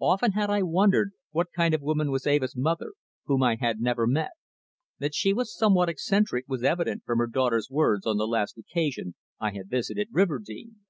Often had I wondered what kind of woman was Eva's mother, whom I had never met. That she was somewhat eccentric was evident from her daughter's words on the last occasion I had visited Riverdene.